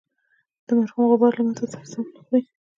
د مرحوم غبار له متن سره سر نه خوري.